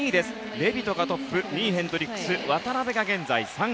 レビトがトップ２位ヘンドリックス渡辺が現在３位。